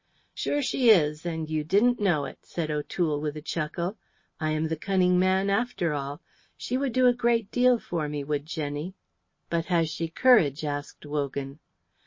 "Sure she is, and you didn't know it," said O'Toole, with a chuckle. "I am the cunning man, after all. She would do a great deal for me would Jenny." "But has she courage?" asked Wogan.